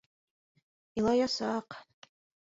Илаясаҡ...